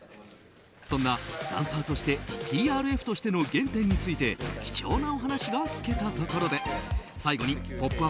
そんな、ダンサーとしてＴＲＦとしての原点について貴重なお話が聞けたところで最後に「ポップＵＰ！」